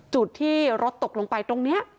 จุดที่รถตกลงไปตรงนี้